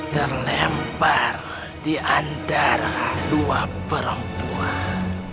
terlempar diantara dua perempuan